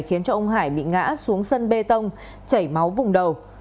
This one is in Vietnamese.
khiến ông hải bị ngã xuống sân bê tông chảy máu vùng đầu